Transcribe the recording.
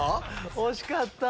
惜しかった！